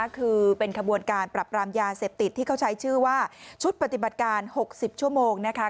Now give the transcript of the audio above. คือเป็นขบวนการปรับรามยาเสพติดที่เขาใช้ชื่อว่าชุดปฏิบัติการ๖๐ชั่วโมงนะคะ